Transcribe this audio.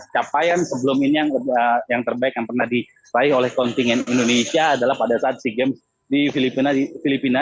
capaian sebelum ini yang terbaik yang pernah diraih oleh kontingen indonesia adalah pada saat sea games di filipina